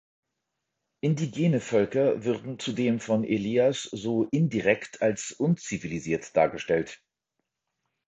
Indigene Völker würden zudem von Elias so indirekt als unzivilisiert dargestellt.